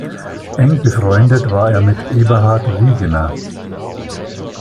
Eng befreundet war er mit Eberhard Viegener.